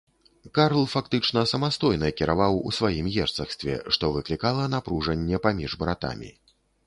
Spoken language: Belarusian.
Карл фактычна самастойна кіраваў у сваім герцагстве, што выклікала напружанне паміж братамі.